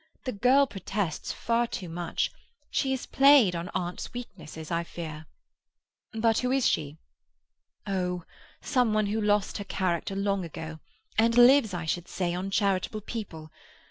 The girl protests far too much; she has played on aunt's weaknesses, I fear." "But who is she?" "Oh, some one who lost her character long ago, and lives, I should say, on charitable people.